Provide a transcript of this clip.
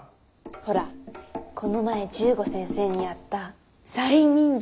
ほらこの前十五先生にやった催眠術。